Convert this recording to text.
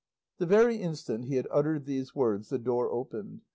The very instant he had uttered these words, the door opened.